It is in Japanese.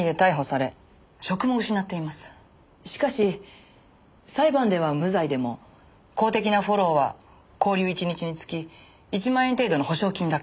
しかし裁判では無罪でも公的なフォローは勾留１日につき１万円程度の補償金だけ。